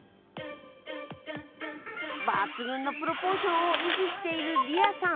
抜群のプロポーションを維持しているリアさん。